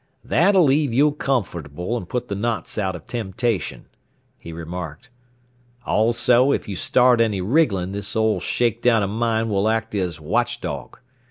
"That'll leave you comfortable, and put the knots out of temptation," he remarked. "Also, if you start any wriggling this old shake down of mine will act as watch dog.